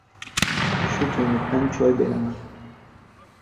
Shu tuynikdan choy beraman.